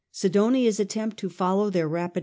Sidonia's attempt to follow their rapid